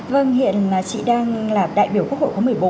vâng hiện chị đang làm đại biểu quốc hội khóa một mươi bốn